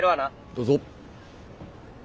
どうぞ。